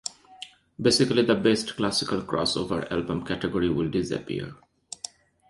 Basically, the Best Classical Crossover Album category will disappear.